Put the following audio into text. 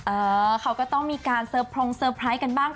เออเขาก็ต้องมีการเซอร์พรงเตอร์ไพรส์กันบ้าง